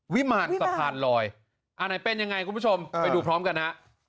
วิมารสะพานลอยอันไหนเป็นยังไงคุณผู้ชมไปดูพร้อมกันฮะ